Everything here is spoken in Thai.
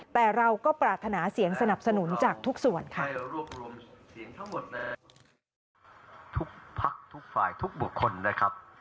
แต่เราก็ปรารถนาเสียงสนับสนุนจากทุกส่วนค่ะ